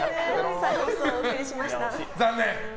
残念！